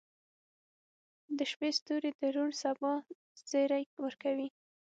• د شپې ستوري د روڼ سبا زیری ورکوي.